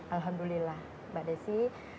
alhamdulillah mbak desi